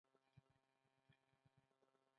دوی په یوه ږغ وویل.